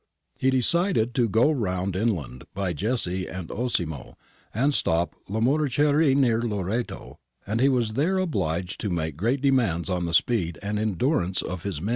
He decided to go round inland by Jesi and Osimo and stop Lamoriciere near Loreto, and he was therefore obliged to make great demands on the speed and endurance of his men.